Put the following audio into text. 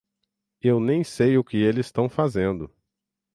Eu nem sei o que eles tão fazendo.